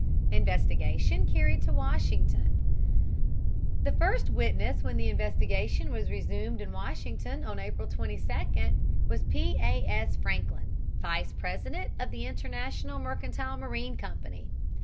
INVESTIGATION CARRIED TO WASHINGTON The first witness when the investigation was resumed in Washington on April 22d was P. A. S. Franklin, vice president of the International Mercantile Marine Company.